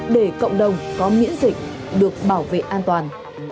để cộng đồng có miễn dịch được bảo vệ an toàn